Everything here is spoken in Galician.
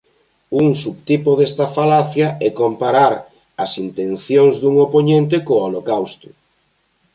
Un subtipo desta falacia é comparar as intencións dun opoñente co Holocausto.